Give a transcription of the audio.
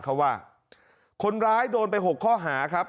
เขาว่าคนร้ายโดนไป๖ข้อหาครับ